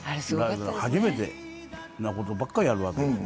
初めてなことばかりやるわけです。